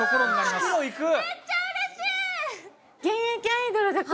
めっちゃうれしい！